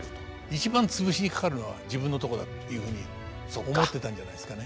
一番潰しにかかるのは自分のとこだっていうふうに思ってたんじゃないですかね。